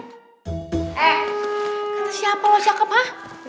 eh kata siapa lo siakep hah